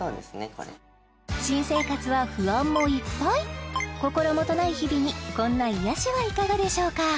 これ新生活は不安もいっぱい心もとない日々にこんな癒やしはいかがでしょうか？